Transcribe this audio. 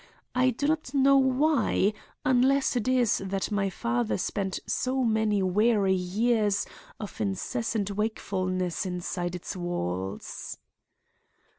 I do not know why, unless it is that my father spent so many weary years of incessant wakefulness inside its walls.